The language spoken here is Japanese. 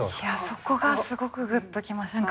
そこがすごくグッときました。